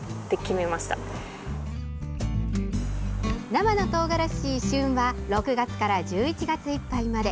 生のトウガラシの旬は６月から１１月いっぱいまで。